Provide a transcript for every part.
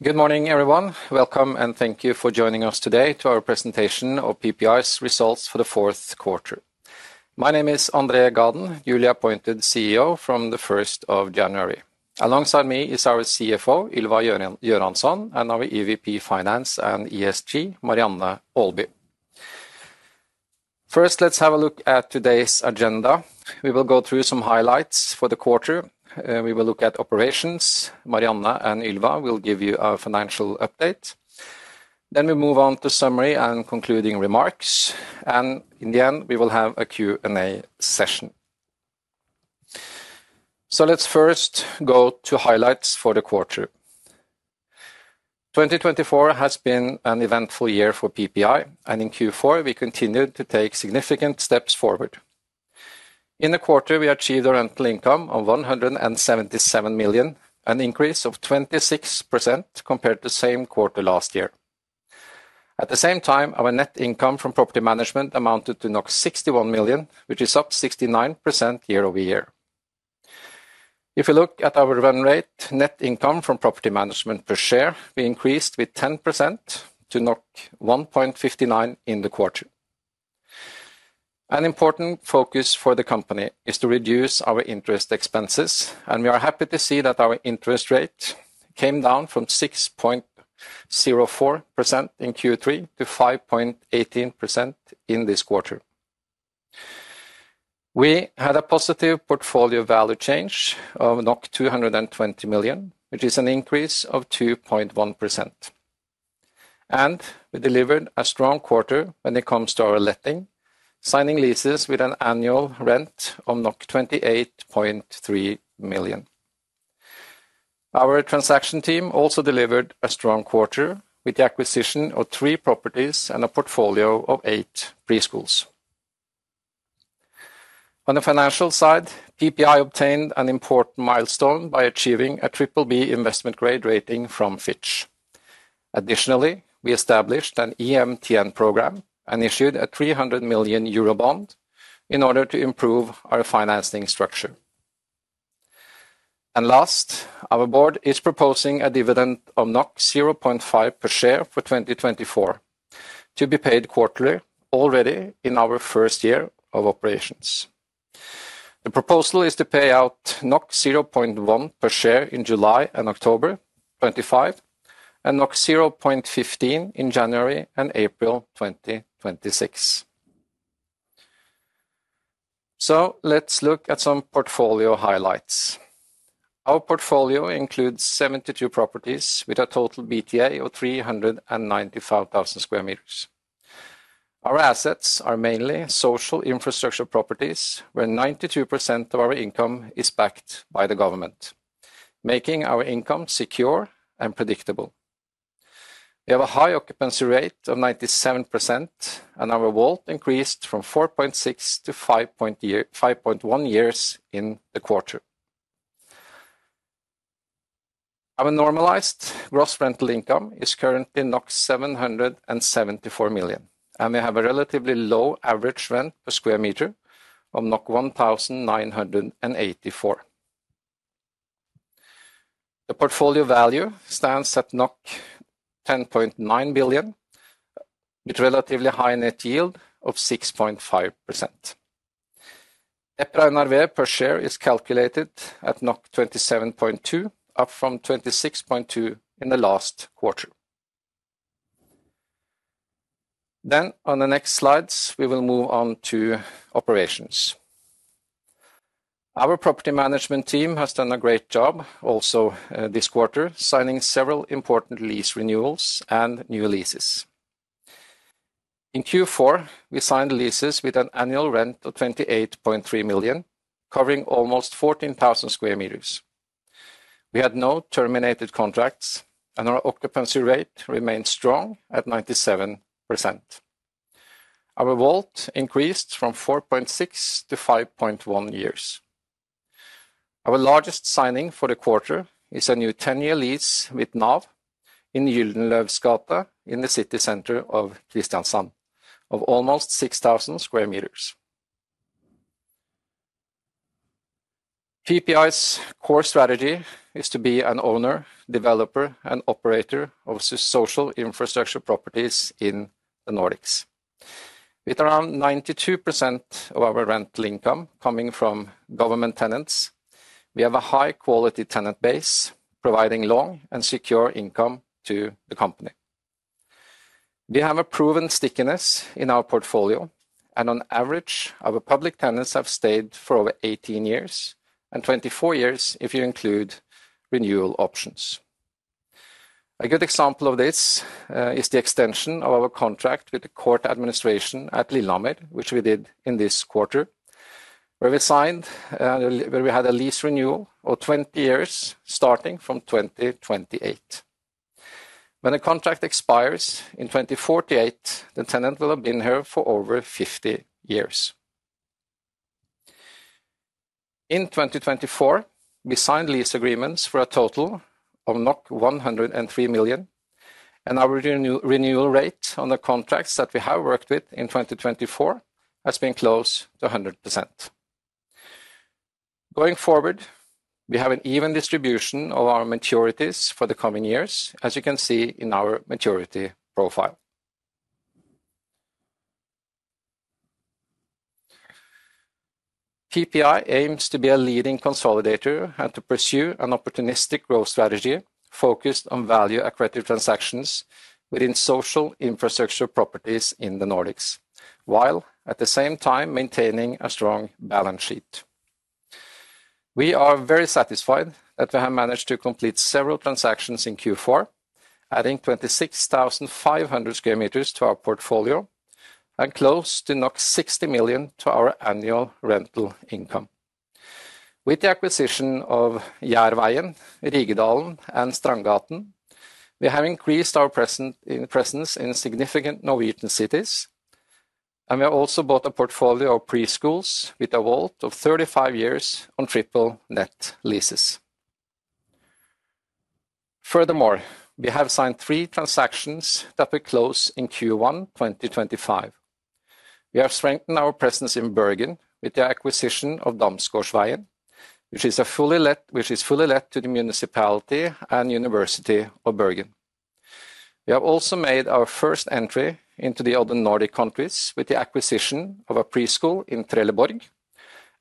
Good morning everyone. Welcome and thank you for joining us today to our presentation of PPI's results for the fourth quarter. My name is André Gaden, newly appointed CEO from the 1st of January. Alongside me is our CFO Ylva Göransson and our EVP Finance and ESG Marianne Aalby. First let's have a look at today's agenda. We will go through some highlights for the quarter. We will look at operations, Marianne and Ylva will give you a financial update. Then we move on to summary and concluding remarks and in the end we will have a Q&A session. Let's first go to highlights for the quarter. 2024 has been an eventful year for PPI and in Q4 we continued to take significant steps forward in the quarter. We achieved our rental income of 177 million, an increase of 26% compared to the same quarter last year. At the same time, our net income from property management amounted to 61 million, which is up 69% year-over-year. If we look at our run rate, net income from property management per share we increased with 10% to 1.59 in the quarter. An important focus for the company is to reduce our interest expenses and we are happy to see that our interest rate came down from 6.04% in Q3 to 5.18% in this quarter. We had a positive portfolio value change of 220 million which is an increase of 2.1%. We delivered a strong quarter when it comes to our letting signing leases with an annual rent of 28.3 million. Our transaction team also delivered a strong quarter with the acquisition of three properties and a portfolio of eight preschools. On the financial side, PPI obtained an important milestone by achieving a BBB investment grade rating from Fitch. Additionally, we established an EMTN program and issued a 300 million euro bond in order to improve our financing structure. Last, our board is proposing a dividend of 0.5 per share for 2024 to be paid quarterly. Already in our first year of operations, the proposal is to pay out 0.1 per share in July and October. 0.15 in January and April 2026. So let's look at some portfolio highlights. Our portfolio includes 72 properties with a total BTA of 395,000 sq m. Our assets are mainly social infrastructure properties where 92% of our income is backed by the government, making our income secure and predictable. We have a high occupancy rate of 97% and our WAULT increased from 4.6-5.1 years in the quarter. Our normalized gross rental income is currently 774 million and we have a relatively low average rent per square meter of 1,984. The portfolio value stands at 10.9 billion with relatively high net yield of 6.5%. EPRA NRV is calculated at 27.2, up from 26.2 in the last quarter. Then on the next slides we will move on to operations. Our property management team has done a great job also this quarter signing several important lease renewals and new leases. In Q4 we signed leases with an annual rent of 28.3 million covering almost 14,000 sq m. We had no terminated contracts and our occupancy rate remained strong at 97%. Our WAULT increased from 4.6 to 5.1 years. Our largest signing for the quarter is a new 10-year lease with NAV in Gyldenløves Gate in the city center of Kristiansand of almost 6,000 sq m. PPI's core strategy is to be an owner, developer and operator of social infrastructure properties in the Nordics. With around 92% of our rental income coming from government tenants, we have a high quality tenant base providing long and secure income to the company. We have a proven stickiness in our portfolio and on average our public tenants have stayed for over 18 years and 24 years if you include renewal options. A good example of this is the extension of our contract with the Court Administration at Lillestrøm which we did in this quarter where we had a lease renewal of 20 years starting from 2028. When a contract expires in 2048, the tenant will have been here for over 50 years. In 2024 we signed lease agreements for a total of 103 million and our renewal rate on the contracts that we have worked with in 2024 has been close to 100%. Going forward we have an even distribution of our maturities for the coming years. As you can see in our maturity profile. PPI aims to be a leading consolidator and to pursue an opportunistic growth strategy focused on value accretive transactions within social infrastructure properties in the Nordics while at the same time maintaining a strong balance sheet. We are very satisfied that we have managed to complete several transactions in Q4, adding 26,500 sq m to our portfolio and close to 60 million to our annual rental income. With the acquisition of Jærveien, Rigedalen and Strandgata, we have increased our presence in significant Norwegian cities and we have also bought a portfolio of preschools with a WAULT of 35 years on triple net leases. Furthermore, we have signed three transactions that will close in Q1 2025. We have strengthened our presence in Bergen with the acquisition of Damsgårdsveien which is fully let to the municipality and University of Bergen. We have also made our first entry into the other Nordic countries with the acquisition of a preschool in Trelleborg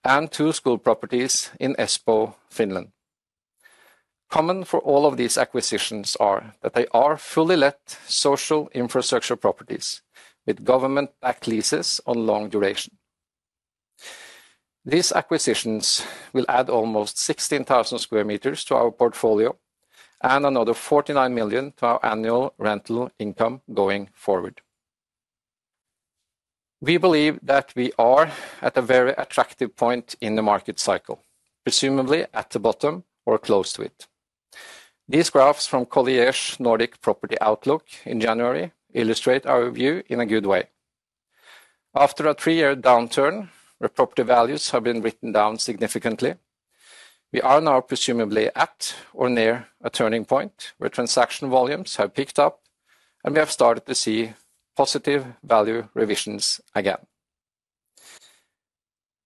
and two school properties in Espoo, Finland. Common for all of these acquisitions are that they are fully let social infrastructure properties with government backed leases on long duration. These acquisitions will add almost 16,000 sq m to our portfolio and another 49 million to our annual rental income going forward. We believe that we are at a very attractive point in the market cycle, presumably at the bottom or close to it. These graphs from Colliers Nordic Property Outlook in January illustrate our view in a good way. After a three-year downturn where property values have been written down significantly, we are now presumably at or near a turning point where transaction volumes have picked up and we have started to see positive value revisions again.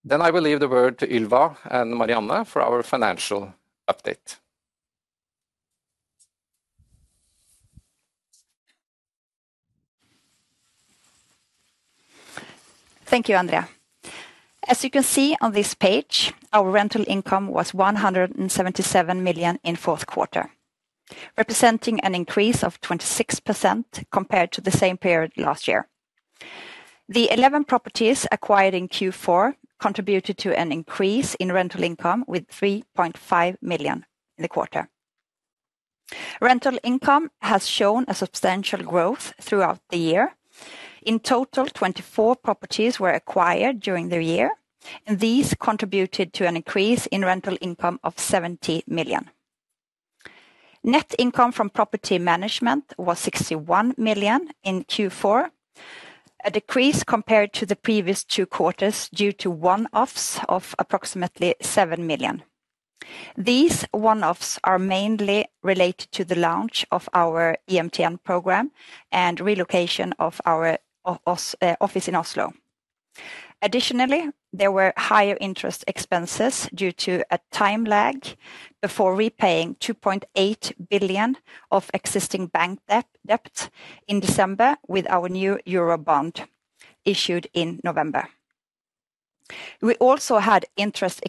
Then I will leave the word to Ylva and Marianne for our financial update. Thank you, André. As you can see on this page, our rental income was 177 million in fourth quarter, representing an increase of 26% compared to the same period last year. The 11 properties acquired in Q4 contributed to an increase in rental income with 3.5 million in the quarter. Rental income has shown a substantial growth throughout the year. In total, 24 properties were acquired during the year. These contributed to an increase in rental income of 70 million. Net income from property management was 61 million in Q4, a decrease compared to the previous two quarters due to one-offs of approximately 7 million. These one-offs are mainly related to the launch of our EMTN program and relocation of our office in Oslo. Additionally, there were higher interest expenses due to a time lag before repaying 2.8 billion of existing bank debt in December. With our new Eurobond issued in November, we also had interest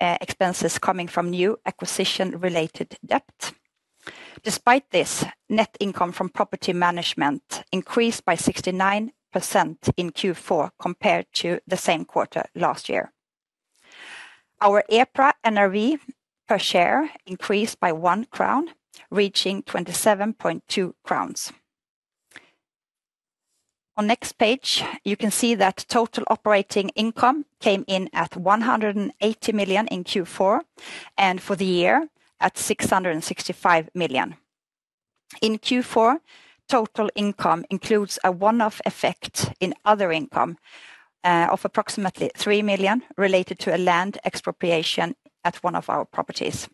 expenses coming from new acquisition-related debt. Despite this, net income from property management increased by 69% in Q4 compared to the same quarter last year. Our EPRA NRV per share increased by 1 crown reaching 27.2 crowns. On the next page you can see that total operating income came in at 180 million in Q4 and for the year at 665 million. Total income includes a one-off effect in other income of approximately 3 million related to a land expropriation income at one of our properties.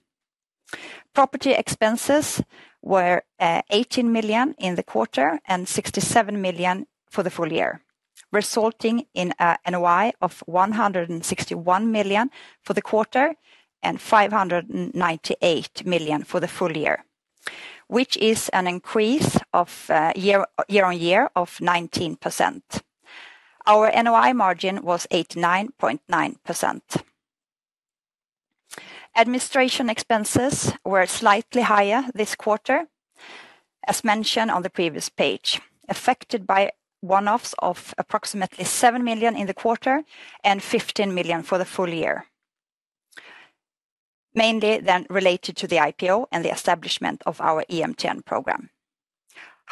Property expenses were 18 million in the quarter and 67 million for the full year, resulting in a NOI of 161 million for the quarter and 598 million for the full year, which is an increase year-on-year of 19%. Our NOI margin was 89.9%. Administration expenses were slightly higher this quarter as mentioned on the previous page, affected by one-offs of approximately 7 million in the quarter and 15 million for the full year. Mainly then related to the IPO and the establishment of our EMTN program.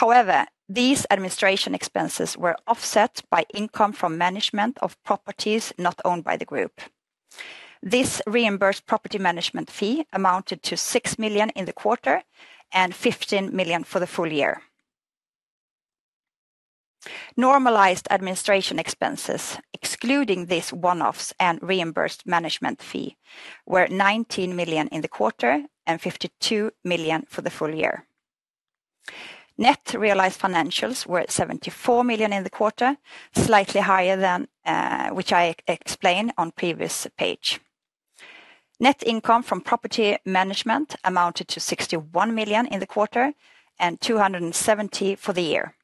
However, these administration expenses were offset by income from management of properties not owned by the group. This reimbursed property management fee amounted to 6 million in the quarter and 15 million for the full year. Normalized administration expenses excluding these one offs and reimbursed management fee were 19 million in the quarter and 52 million for the full year. Net realized financials were 74 million in the quarter, slightly higher than which I explained on previous page. Net income from property management amounted to 61 million in the quarter and 270 million for the year.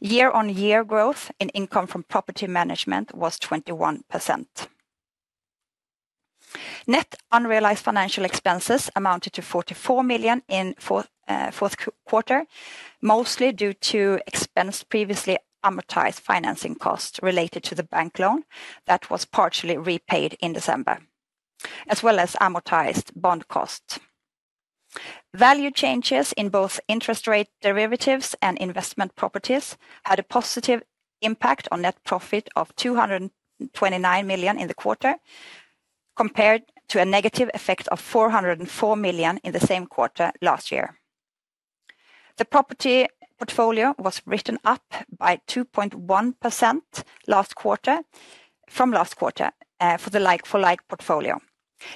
Year-on-year growth in income from property management was 21%. Net unrealized financial expenses amounted to 44 million in fourth quarter, mostly due to expense previously amortized financing costs related to the bank loan that was partially repaid in December as well as amortized bond costs. Value changes in both interest rate derivatives and investment properties had a positive impact on net profit of 229 million in the quarter compared to a negative effect of 404 million in the same quarter last year. The property portfolio was written up by 2.1% last quarter from last quarter for the like-for-like portfolio,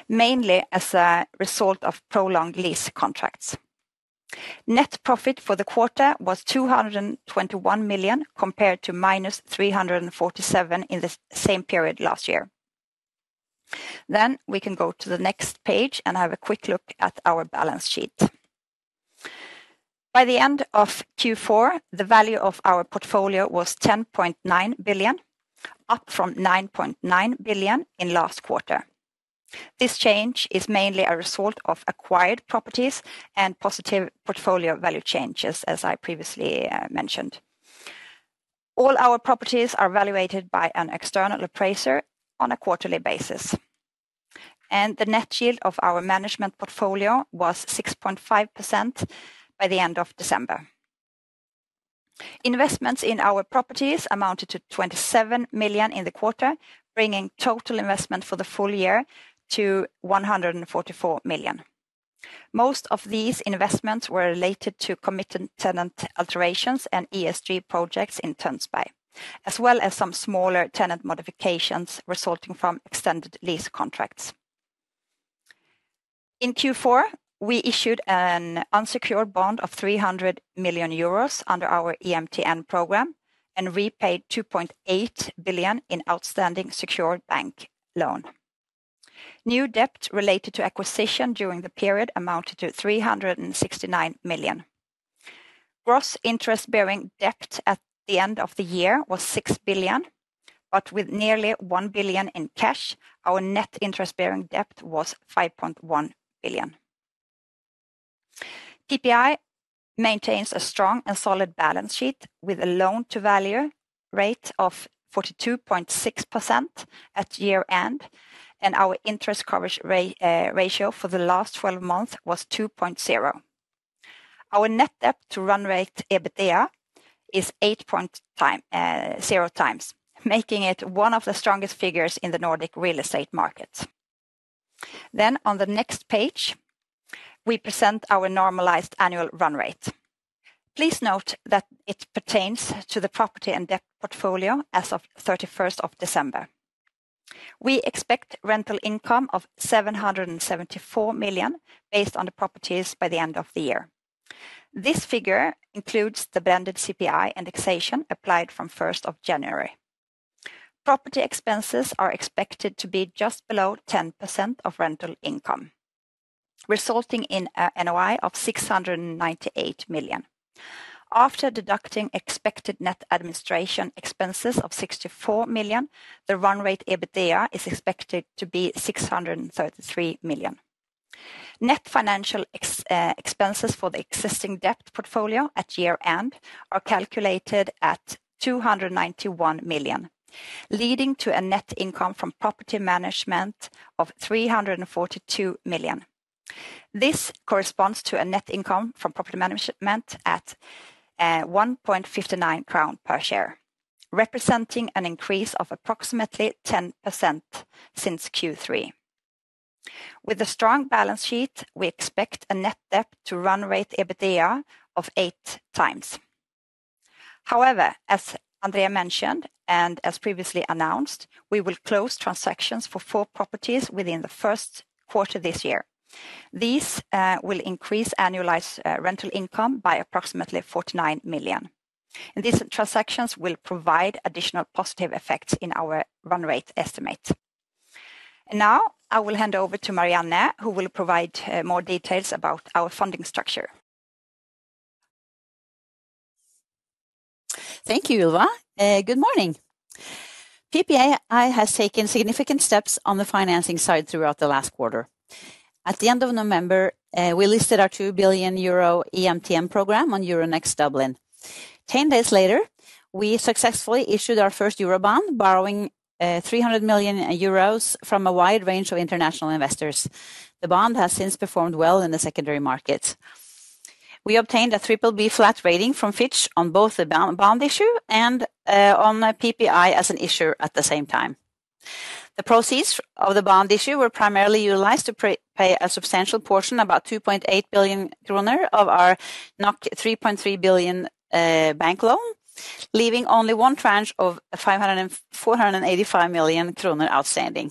mainly as a result of prolonged lease contracts. Net profit for the quarter was 221 million compared to -347 million in the same period last year. Then we can go to the next page and have a quick look at our balance sheet. By the end of Q4, the value of our portfolio was 10.9 billion, up from 9.9 billion in last quarter. This change is mainly a result of acquired properties and positive portfolio value changes. As I previously mentioned, all our properties are valuated by an external appraiser on a quarterly basis and the net yield of our management portfolio was 6.5% by the end of December. Investments in our properties amounted to 27 million in the quarter, bringing total investment for the full year to 144 million. Most of these investments were related to committed tenant alterations and ESG projects in Tønsberg as well as some smaller tenant modifications resulting from extended lease contracts. In Q4 we issued an unsecured bond of 300 million euros under our EMTN program and repaid 2.8 billion in outstanding secured bank loan. New debt related to acquisition during the period amounted to 369 million. Gross interest bearing debt at the end of the year was 6 billion, but with nearly 1 billion in cash our net interest bearing debt was 5.1 billion. PPI maintains a strong and solid balance sheet with a loan-to-value rate of 42.6% at year end and our interest coverage ratio for the last 12 months was 2.0. Our net debt to run rate EBITDA is 8.0x, making it one of the strongest figures in the Nordic real estate market. Then on the next page we present our normalized annual run rate. Please note that it pertains to the property and debt portfolio. As of 31st of December we expect rental income of 774 million based on the properties by the end of the year. This figure includes the inflation CPI and indexation applied from 1st of January. Property expenses are expected to be just below 10% of rental income resulting in a NOI of 698 million. After deducting expected net administration expenses of 64 million, the run rate EBITDA is expected to be 633 million. Net financial expenses for the existing debt portfolio at year end are calculated at 291 million, leading to a net income from property management of 342 million. This corresponds to a net income from property management at 1.59 crown per share, representing an increase of approximately 10% since Q3. With a strong balance sheet, we expect a net debt to run rate EBITDA of eight times. However, as André mentioned and as previously announced, we will close transactions for four properties within the first quarter this year. These will increase annualized rental income by approximately 49 million. These transactions will provide additional positive effects in our run rate estimate. Now I will hand over to Marianne who will provide more details about our funding structure. Thank you, Ylva. Good morning. PPI has taken significant steps on the financing side throughout the last quarter. At the end of November we listed our 2 billion euro EMTN program on Euronext Dublin. Ten days later we successfully issued our first Eurobond, borrowing 300 million euros from a wide range of international investors. The bond has since performed well in the secondary markets. We obtained a BBB flat rating from Fitch on both the bond issue and on PPI as an issuer. At the same time, the proceeds of the bond issue were primarily utilized to pay a substantial portion, about 2.8 billion kroner of our 3.3 billion bank loan, leaving only one tranche of 485 million kroner outstanding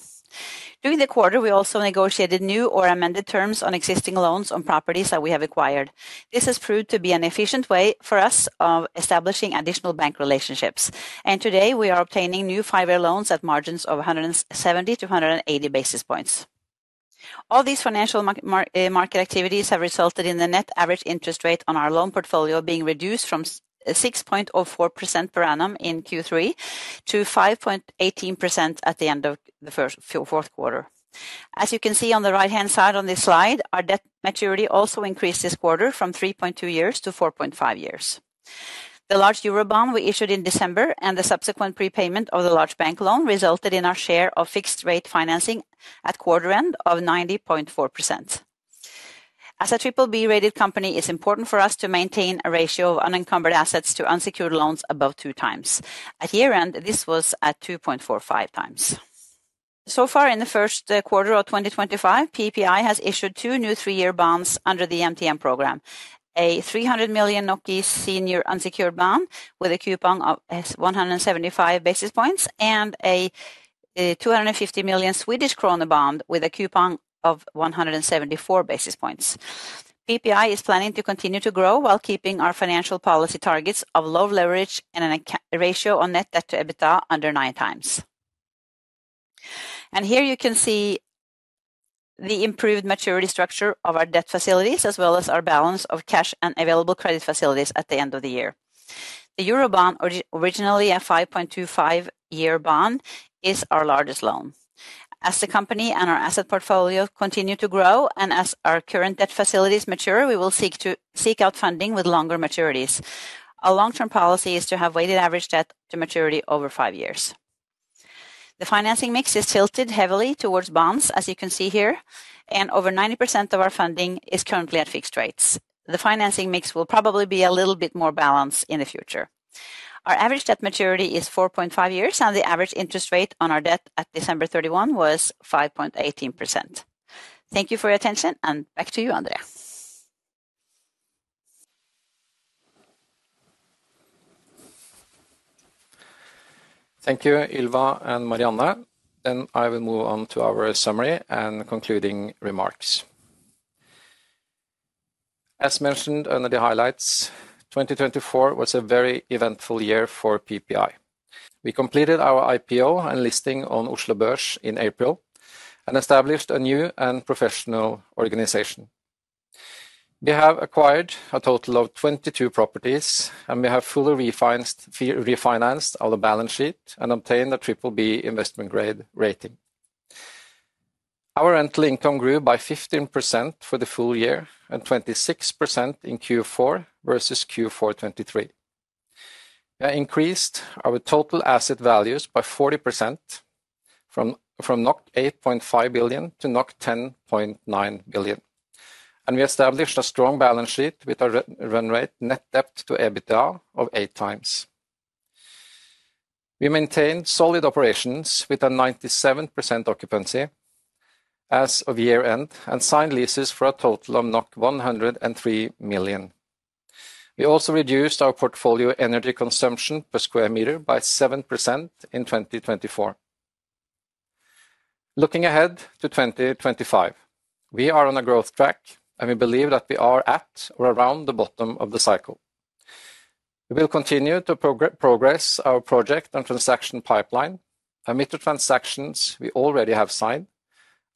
during the quarter. We also negotiated new or amended terms on existing loans on properties that we have acquired. This has proved to be an efficient way for us of establishing additional bank relationships and today we are obtaining new five year loans at margins of 170 to 180 basis points. All these financial market activities have resulted in the net average interest rate on our loan portfolio being reduced from 6.04% per annum in Q3 to 5.18% at the end of the fourth quarter. As you can see on the right hand side on this slide, our debt maturity also increased this quarter from 3.2 years to 4.5 years. The large Eurobond we issued in December and the subsequent prepayment of the large bank loan resulted in our share of fixed rate financing at quarter end of 90.4%. As a BBB rated company, it's important for us to maintain a ratio of unencumbered assets to unsecured loans above 2x at year end. This was at 2.45x. So far in the first quarter of 2025, PPI has issued two new three year bonds under the EMTN program. A 300 million senior unsecured bond with a coupon of 175 basis points and a SEK 250 million bond with a coupon of 174 basis points. PPI is planning to continue to grow while keeping our financial policy targets of low leverage and a ratio on net debt to EBITDA under nine times. Here you can see the improved maturity structure of our debt facilities as well as our balance of cash and available credit facilities at the end of the year. The Eurobond, originally a 5.25-year bond, is our largest loan. As the company and our asset portfolio continue to grow and as our current debt facilities mature, we will seek out funding with longer maturities. A long term policy is to have weighted average debt to maturity over five years. The financing mix is tilted heavily towards bonds as you can see here and over 90% of our funding is currently at fixed rates. The financing mix will probably be a little bit more balanced in the future. Our average debt maturity is 4.5 years and the average interest rate on our debt at December 31 was 5.18%. Thank you for your attention and back to you, André. Thank you, Ylva and Marianne. Then I will move on to our summary and concluding remarks. As mentioned under the highlights, 2024 was a very eventful year for PPI. We completed our IPO and listing on Oslo Børs in April and established a new and professional organization. We have acquired a total of 22 properties and we have fully refinanced our balance sheet and obtained a BBB investment grade rating. Our rental income grew by 15% for the full year and 26% in Q4 versus Q4 2023, increased our total asset values by 40% from 8.5 billion to 10.9 billion, and we established a strong balance sheet with a run rate net debt to EBITDA of 8x. We maintained solid operations with a 97% occupancy as of year end and signed leases for a total of 103 million. We also reduced our portfolio energy consumption per square meter by 7% and in 2024. Looking ahead to 2025, we are on a growth track and we believe that we are at or around the bottom of the cycle. We will continue to progress our project and transaction pipeline amid the transactions we already have signed.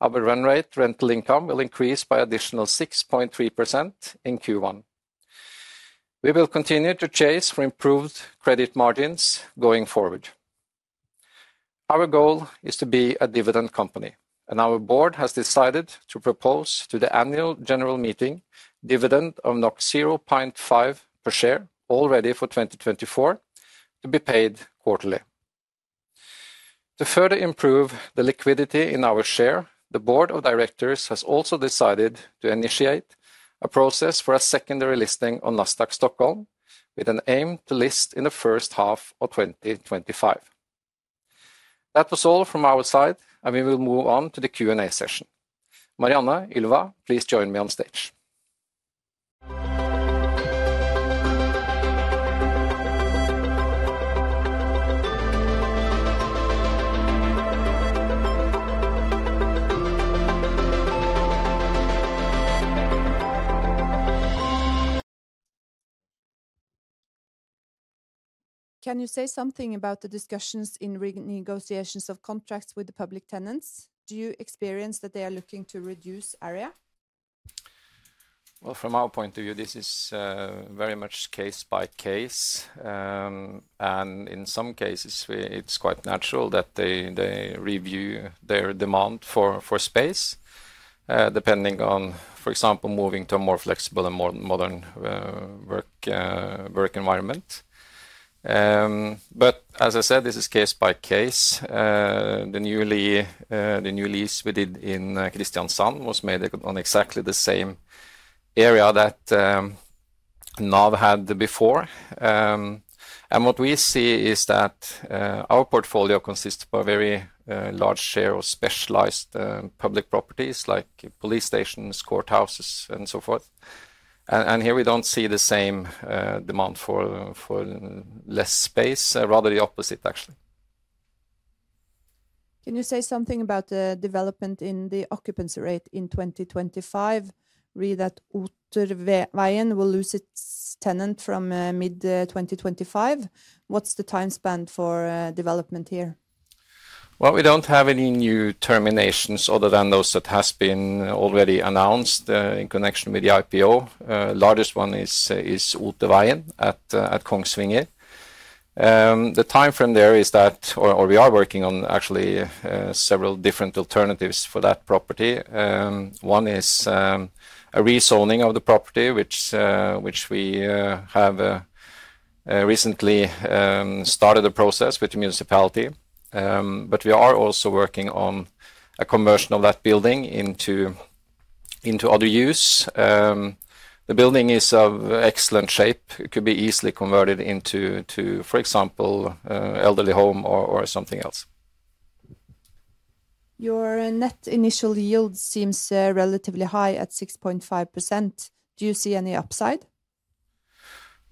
Our run rate rental income will increase by additional 6.3% in Q1. We will continue to chase for improved credit margins going forward. Our goal is to be a dividend company and our board has decided to propose to the annual general meeting dividend of 0.5 per share already for 2024 to be paid quarterly to further improve the liquidity in our share. The Board of Directors has also decided to initiate a process for a secondary listing on Nasdaq Stockholm with an aim to list in the first half of 2025. That was all from our side and we will move on to the Q&A session. Marianne, Ylva, please join me on stage. Can you say something about the discussions in renegotiations of contracts with the public tenants? Do you experience that they are looking to reduce area? From our point of view, this is very much case by case, and in some cases it's quite natural that they review their demand for space depending on, for example, moving to a more flexible and modern. Work environment. But as I said, this is case by case. The new lease we did in Kristiansand was made on exactly the same area that NAV had before, and what we see is that our portfolio consists of a very large share of specialized public properties like police stations, courthouses and so forth, and here we don't see the same demand for less space. Rather the opposite, actually. Can you say something about the development? In the occupancy rate in 2025? Read that. Otervegen will lose its tenant from mid-2025. What's the time spent for development here? We don't have any new terminations other than those that has been already announced in connection with the IPO. Largest one is Otervegen at Kongsvinger. The timeframe there is that, or we are working on actually several different alternatives for that property. One is a rezoning of the property, which we have recently started a process with the municipality. But we are also working on a conversion of that building into other use. The building is of excellent shape. It could be easily converted into, for example, elderly home or something else. Your net initial yield seems relatively high at 6%. Do you see any upside?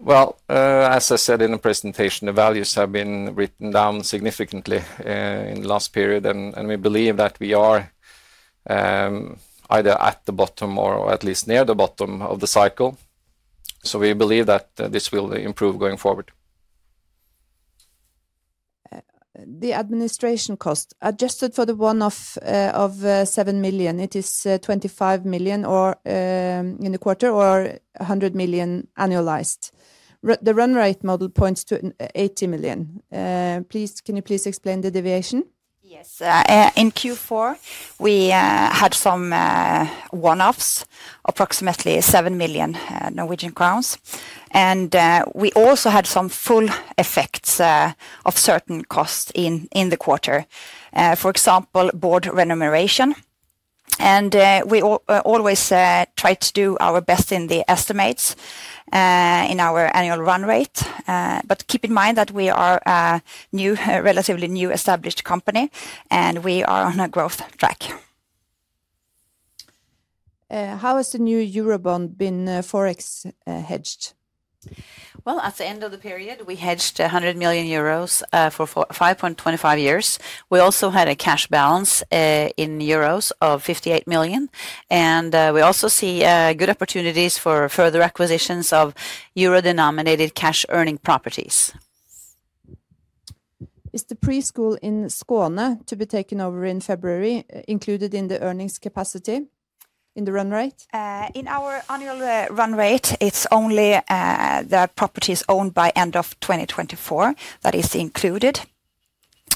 As I said in the presentation, the values have been written down significantly in the last period. We believe that we are. Either at the bottom or at least near the bottom of the cycle. So we believe that this will improve going forward. The administration cost adjusted for the one-off of 7 million. It is 25 million in the quarter or 100 million annualized. The run rate model points to 80 million. Please. Can you please explain the deviation? Yes. In Q4 we had some one-offs, approximately 7 million Norwegian crowns, and we also had some full effects of certain costs in the quarter, for example board remuneration, and we always try to do our best in the estimates in our annual run rate, but keep in mind that we are a relatively new established company and we are on a growth track. How has the new Eurobond been forex hedged? At the end of the period we hedged 100 million euros for 5.25 years. We also had a cash balance in euros of 58 million. And we also see good opportunities for further acquisitions of euro denominated cash earning properties. Is the preschool in Skåne to be taken over in February? Included in the earnings capacity in the run rate? In our annual run rate it's only the properties owned by end of 2024 that is included.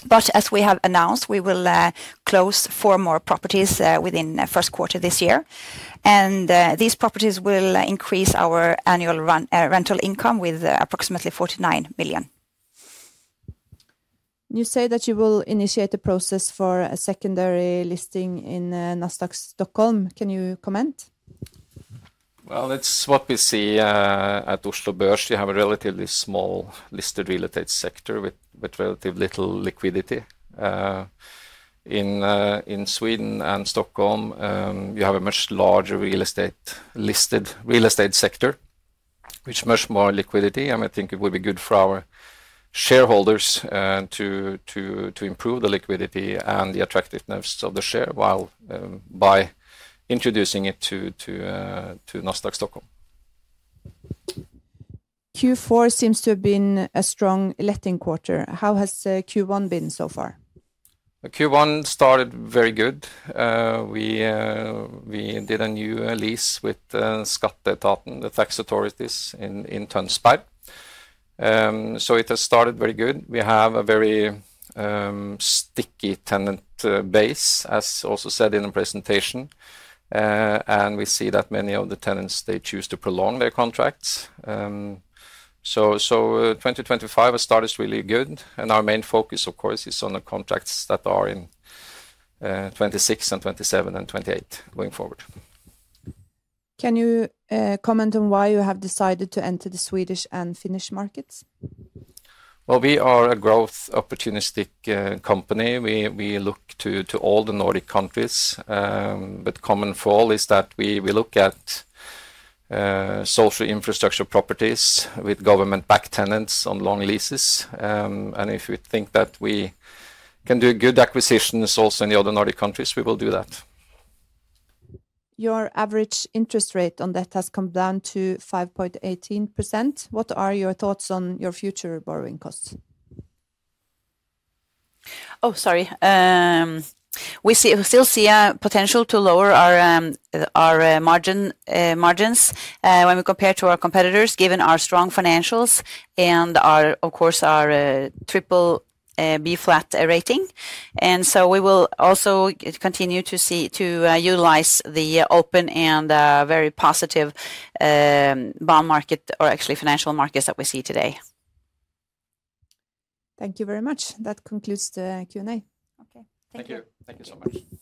But as we have announced, we will close four more properties within first quarter this year. And these properties will increase our annual rental income with approximately 49 million. You say that you will initiate the process for a secondary listing in Nasdaq Stockholm, can you comment? It's what we see at Oslo Børs. You have a relatively small listed real estate sector with relatively little liquidity. In Sweden and Stockholm, you have a much larger real estate sector which has much more liquidity. I think it would be good for our shareholders to improve the liquidity and the attractiveness of the share by introducing it to Nasdaq Stockholm. Q4 seems to have been a strong letting quarter. How has Q1 been so far? Q1 started very good. We did a new lease with Skatteetaten, the tax authorities in Tønsberg. So it has started very good. We have a very sticky tenant base, as also said in the presentation. And we see that many of the tenants, they choose to prolong their contracts. 2025 has started really good. Our main focus of course is on the contracts that are in 2026 and 2027 and 2028. Going forward. Can you comment on why you have decided to enter the Swedish and Finnish markets? We are a growth opportunistic company. We look to all the Nordic countries, but common for all is that we look at. Social infrastructure properties with government-backed tenants on long leases. And if we think that we can do good acquisitions also in the other Nordic countries, we will do that. Your average interest rate on debt has come down to 5.18%. What are your thoughts on your future borrowing costs? Oh, sorry. We still see a potential to lower our. Margins when we compare to our competitors, given our strong financials and of course our BBB rating, and so we will also continue to utilize the open and very positive bond market or actually financial markets that we see today. Thank you very much. That concludes the Q&A. Okay, thank you. Thank you. Thank you so much.